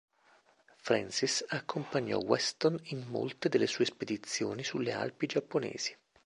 Frances accompagnò Weston in molte delle sue spedizioni sulle Alpi giapponesi.